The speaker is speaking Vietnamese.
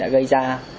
đã gây ra